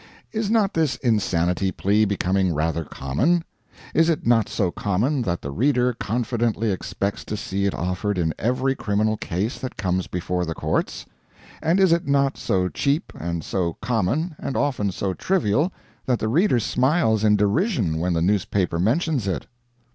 Is not this insanity plea becoming rather common? Is it not so common that the reader confidently expects to see it offered in every criminal case that comes before the courts? And is it not so cheap, and so common, and often so trivial, that the reader smiles in derision when the newspaper mentions it?